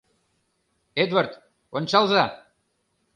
Эдвард, ончалза!